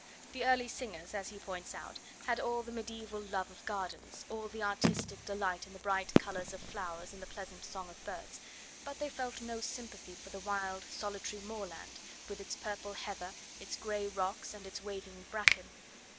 The early singers, as he points out, had all the mediaeval love of gardens, all the artistic delight in the bright colours of flowers and the pleasant song of birds, but they felt no sympathy for the wild solitary moorland, with its purple heather, its grey rocks and its waving bracken.